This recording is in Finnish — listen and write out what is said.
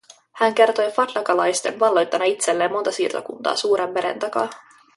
Hän kertoi fadlaqalaisten valloittaneen itselleen monta siirtokuntaa suuren meren takaa.